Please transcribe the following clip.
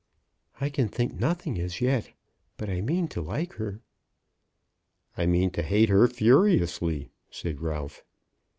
] "I can think nothing as yet; but I mean to like her." "I mean to hate her furiously," said Ralph.